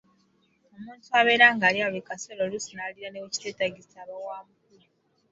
Omuntu abeera nga alya buli kaseera oluusi n’aliira ne we kiteetaagisa aba wa mukulu.